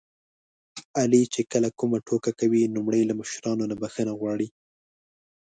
علي چې کله کومه ټوکه کوي لومړی له مشرانو نه بښنه غواړي.